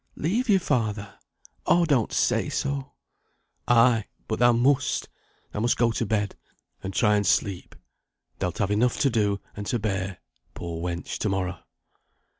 "Leave you, father! oh, don't say so." "Ay, but thou must! thou must go to bed, and try and sleep; thou'lt have enough to do and to bear, poor wench, to morrow."